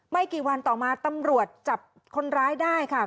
ไม่กี่วันต่อมาตำรวจจับคนร้ายได้ค่ะ